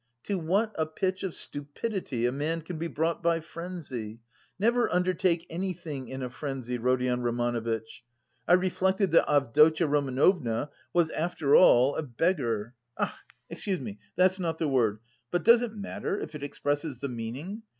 To what a pitch of stupidity a man can be brought by frenzy! Never undertake anything in a frenzy, Rodion Romanovitch. I reflected that Avdotya Romanovna was after all a beggar (ach, excuse me, that's not the word... but does it matter if it expresses the meaning?)